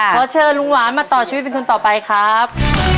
ขอเชิญลุงหวานมาต่อชีวิตเป็นคนต่อไปครับ